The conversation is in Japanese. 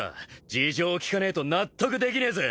事情聴かねえと納得できねえぜ！